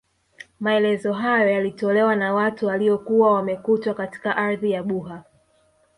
Maelezo hayo yalitolewa na watu waliokuwa wamekutwa katika ardhi ya Buha